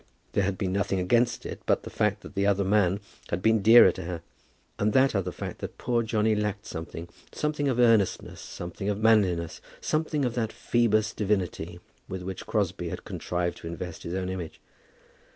There had been nothing against it but the fact that the other man had been dearer to her; and that other fact that poor Johnny lacked something, something of earnestness, something of manliness, something of that Phoebus divinity with which Crosbie had contrived to invest his own image.